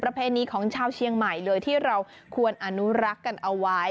เพณีของชาวเชียงใหม่เลยที่เราควรอนุรักษ์กันเอาไว้